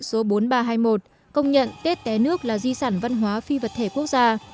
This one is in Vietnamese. số bốn nghìn ba trăm hai mươi một công nhận tết té nước là di sản văn hóa phi vật thể quốc gia